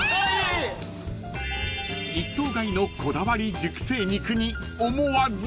［一頭買いのこだわり熟成肉に思わず］